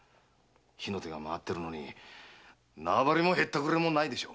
火の手が回ってるのに縄張りもヘッタクレもないでしょ？